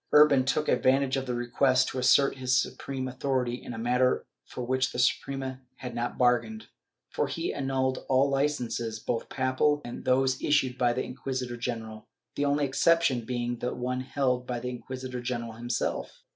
Urban took advantage of the request to assert his supreme authority in a manner for which the Suprema had not bargained, for he annulled all licences, both papal and those issued by the inquisitor general, the only exception being the one held by the inquisitor general himself.